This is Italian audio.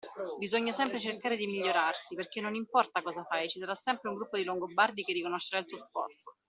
Bisogna sempre cercare di migliorarsi, perché non importa cosa fai, ci sarà sempre un gruppo di longobardi che riconoscerà il tuo sforzo.